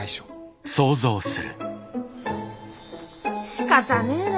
しかたねえな。